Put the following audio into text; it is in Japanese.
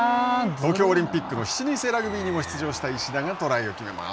東京オリンピックの７人制ラグビーにも出場した石田がトライを決めます。